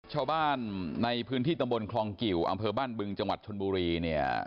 ชาวบ้านในพื้นที่ตำบลคลองกิวอำเภอบ้านบึงจังหวัดชนบุรีเนี่ย